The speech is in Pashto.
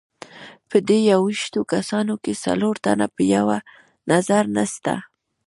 په دې یوویشتو کسانو کې څلور تنه په یوه نظر نسته.